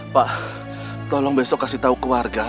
pak tolong besok kasih tahu keluarga